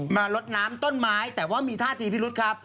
มาลดน้ำต้นไม้แต่ว่ามีท่าทีพิรุษครับ